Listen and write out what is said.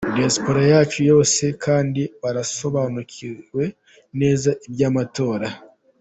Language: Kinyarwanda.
Diaspora yacu yose kandi barasobanukiwe neza iby’amatora.